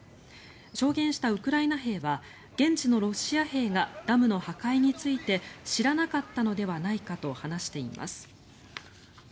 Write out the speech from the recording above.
証言したウクライナ兵は現地のロシア兵がダムの破壊について知らなかったのではないかと話しています。